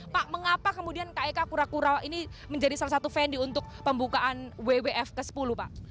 pak mengapa kemudian kek kura kura ini menjadi salah satu vending untuk pembukaan wwf ke sepuluh pak